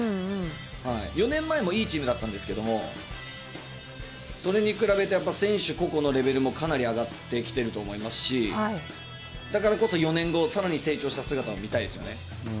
４年前もいいチームだったんですけど、それに比べてやっぱり選手個々のレベルもかなり上がってきてると思いますし、だからこそ、４年後、さらに成長した姿を見たいです